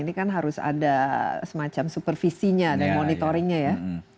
ini kan harus ada semacam supervisinya dan monitoringnya ya